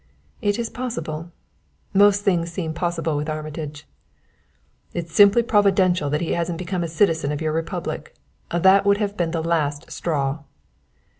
"It is possible. Most things seem possible with Armitage." "It's simply providential that he hasn't become a citizen of your republic. That would have been the last straw!"